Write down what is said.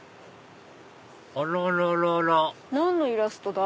あらららら何のイラストだ？